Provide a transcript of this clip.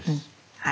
はい。